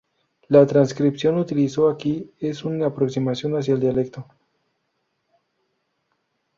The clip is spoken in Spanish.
La transcripción utilizó aquí es una aproximación hacia el dialecto.